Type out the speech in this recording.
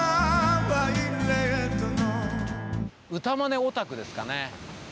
歌まねオタクですかね。